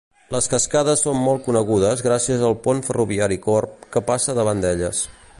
Les cascades són molt conegudes gràcies al pont ferroviari corb que passa davant d'elles.